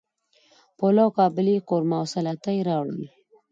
پلاو، قابلی، قورمه او سلاطه یی راوړل